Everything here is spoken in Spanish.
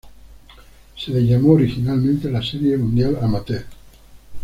Se le llamó originalmente la Serie Mundial Amateur.